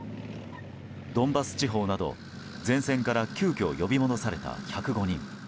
ドンバス地方など前線から急きょ、呼び戻された１０５人。